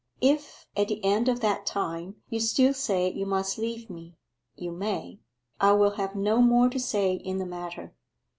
If at the end of that time you still say you must leave me, you may. I will have no more to say in the matter.